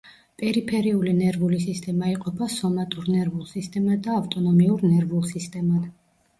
პერიფერიული ნერვული სისტემა იყოფა სომატურ ნერვულ სისტემად და ავტონომიურ ნერვულ სისტემად.